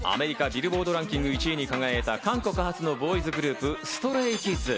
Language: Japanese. アメリカビルボードランキング１位に輝いた韓国初のボーイズグループ、ＳｔｒａｙＫｉｄｓ。